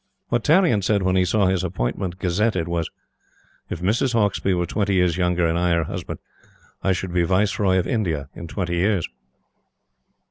What Tarrion said when he saw his appointment gazetted was: "If Mrs. Hauksbee were twenty years younger, and I her husband, I should be Viceroy of India in twenty years."